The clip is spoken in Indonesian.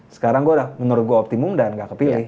sekarang menurut gue udah optimum dan nggak kepilih